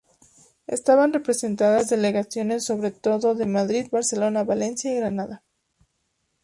Estaban representadas delegaciones sobre todo de Madrid, Barcelona, Valencia y Granada.